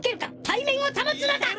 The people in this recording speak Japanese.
体面を保つのだ！